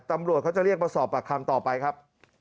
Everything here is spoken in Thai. ตำรวจเขาจะเรียกมาสอบปากคำต่อไปครับ